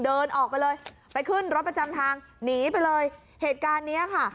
เดินออกไปเลยไปขึ้นรถประจำทางหนีไปเลยเหตุการณ์เนี้ยค่ะ